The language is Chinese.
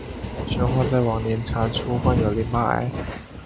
宣化在晚年查出患有淋巴癌。